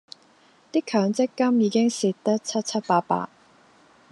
啲強積金已經蝕得七七八八